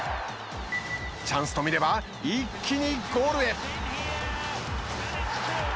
チャンスと見れば一気にゴールへ。